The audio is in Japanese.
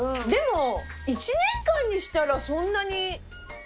でも１年間にしたらそんなに。